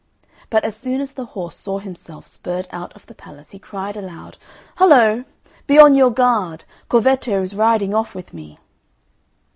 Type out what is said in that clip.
But as soon as the horse saw himself spurred out of the palace, he cried aloud, "Hollo! be on your guard! Corvetto is riding off with me."